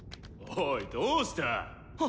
おいどうした⁉ほ